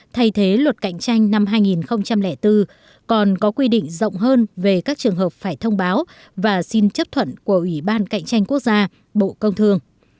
thay thế luật cạnh tranh năm hai nghìn bốn còn có quy định rộng hơn về các trường hợp phải thông báo và xin chấp thuận của ủy ban cạnh tranh quốc gia bộ công thương